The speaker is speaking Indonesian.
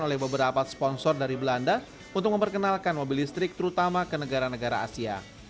oleh beberapa sponsor dari belanda untuk memperkenalkan mobil listrik terutama ke negara negara asia